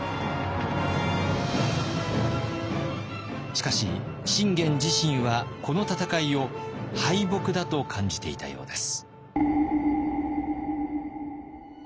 しかし信玄自身はこの戦いを敗北だと感じていたようです。